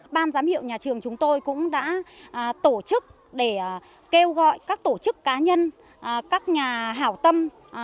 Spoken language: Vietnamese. ban giám hiệu nhà trường chúng tôi cũng đã tổ chức để kêu gọi các tổ chức cá nhân các nhà hảo tâm